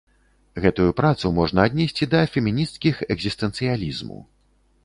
Гэтую працу можна аднесці да фемінісцкіх экзістэнцыялізму.